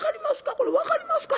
これ分かりますか？